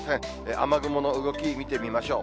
雨雲の動き、見てみましょう。